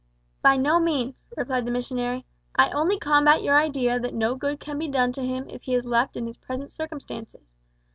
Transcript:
"By no means," replied the missionary. "I only combat your idea that no good can be done to him if he is left in his present circumstances.